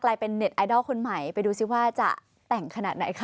เป็นเน็ตไอดอลคนใหม่ไปดูซิว่าจะแต่งขนาดไหนคะ